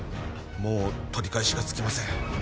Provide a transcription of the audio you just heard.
もう取り返しがつきません